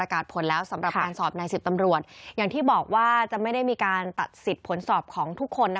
ประกาศผลแล้วสำหรับการสอบในศิษย์ตำรวจที่บอกว่าจะไม่ได้มีการตัดศิลป์ผลสอบของทุกคน